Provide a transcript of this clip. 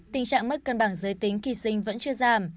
tình trạng mất cân bằng giới tính khi sinh vẫn chưa giảm